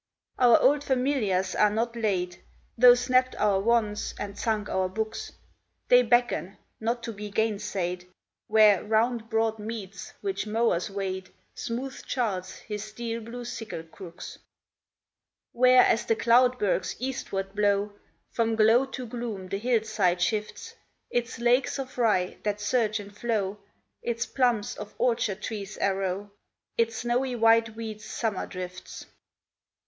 Our old familiars are not laid, Though snapped our wands and sunk our books, They beckon, not to be gainsaid, Where, round broad meads which mowers wade, Smooth Charles his steel blue sickle crooks; Where, as the cloudbergs eastward blow, From glow to gloom the hillside shifts Its lakes of rye that surge and flow, Its plumps of orchard trees arow, Its snowy white weed's summer drifts.